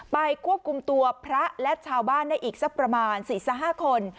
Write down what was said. ควบคุมตัวพระและชาวบ้านได้อีกสักประมาณ๔๕คน